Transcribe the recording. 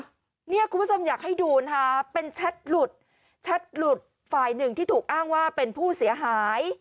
คุณผู้ชมอยากให้ดูนะคะเป็นแชทหลุดแชทหลุดฝ่ายหนึ่งที่ถูกอ้างว่าเป็นผู้เสียหาย